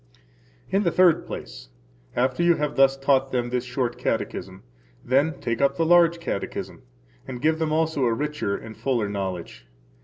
In the third place, after you have thus taught them this Short Catechism, then take up the Large Catechism, and give them also a richer and fuller knowledge.